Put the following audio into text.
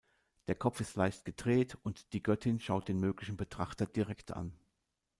Der Kopf ist leicht gedreht und die Göttin schaut den möglichen Betrachter direkt an.